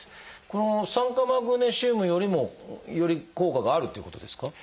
この酸化マグネシウムよりもより効果があるっていうことですか？